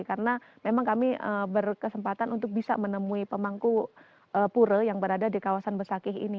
karena memang kami berkesempatan untuk bisa menemui pemangku pura yang berada di kawasan besakih ini